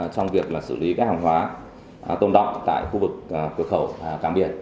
trong việc là xử lý các hòng hóa tồn động tại khu vực cửa khẩu càm biệt